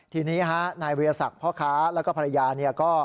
ทีนี้นายวิทยาศักดิ์พ่อค้าแล้วก็ภรรยาเนี่ยก็